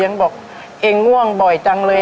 ยังบอกเองง่วงบ่อยจังเลย